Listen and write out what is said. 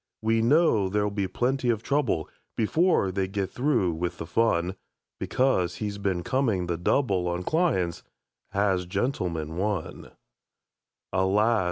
We know there'll be plenty of trouble Before they get through with the fun, Because he's been coming the double On clients, has "Gentleman, One". Alas!